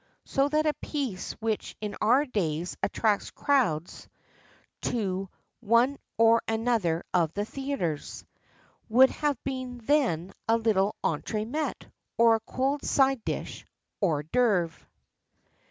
So that a piece which in our days attracts crowds to one or other of the theatres, would have been then a little entre met, or a cold side dish (hors d'œuvre).